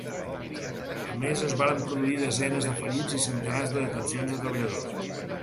A més, es varen produir desenes de ferits i centenars de detencions de treballadors.